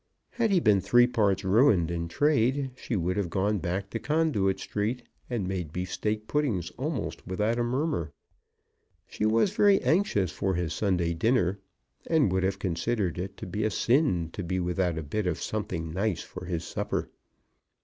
Had he been three parts ruined in trade, she would have gone back to Conduit Street and made beef steak puddings almost without a murmur. She was very anxious for his Sunday dinner, and would have considered it to be a sin to be without a bit of something nice for his supper.